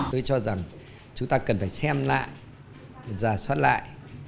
tôi cho rằng chúng ta cần phải xem lại giả soát lại